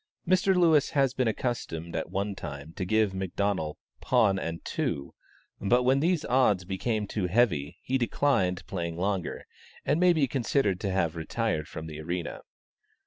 Mr. Lewis had been accustomed at one time to give McDonnel pawn and two; but, when these odds became too heavy, he declined playing longer, and may be considered to have retired from the arena.